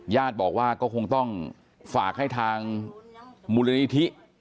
ญาติบอกว่าก็คงต้องฝากให้ทางมูลนิธิ